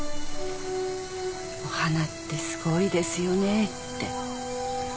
お花ってすごいですよねって。